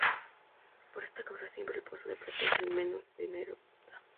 Por esta causa, siempre el Pozo de Plata es el que menos dinero da.